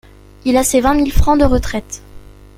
Il a ses vingt mille francs de retraite.